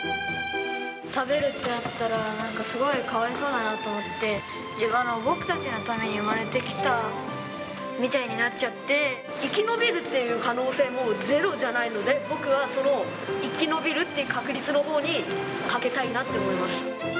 食べるってなったら、なんか、すごいかわいそうだなと思って、僕たちのために生まれて生き延びるっていう可能性もゼロじゃないので、僕はその生き延びるという確率のほうにかけたいなって思います。